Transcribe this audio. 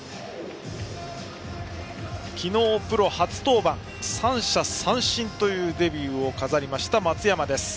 昨日プロ初登板、三者三振というデビューを飾った松山です。